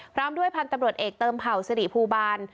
พร้อมด้วยพันธุ์ตำรวจเอกเติมเผ่าสิริภูบาล